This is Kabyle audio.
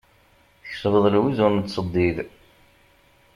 Tkesbeḍ lwiz ur nettseddid.